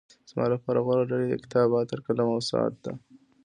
زما لپاره غوره ډالۍ د کتاب، عطر، قلم او ساعت ده.